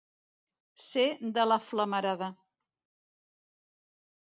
Ser de la flamarada.